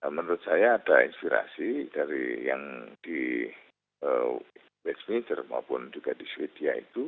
menurut saya ada inspirasi dari yang di westminster maupun juga di sweden itu